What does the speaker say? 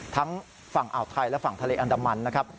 ทั้งฝั่งอ่าวไทยและฝั่งทะเลอันดามันนะครับ